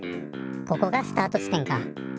ここがスタート地点か。